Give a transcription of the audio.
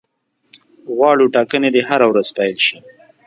غواړو ټاکنې دي هره ورځ پیل شي.